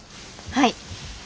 はい。